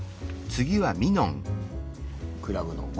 クラブの５。